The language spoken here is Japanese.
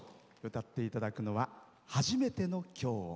歌っていただくのは「初めての今日を」。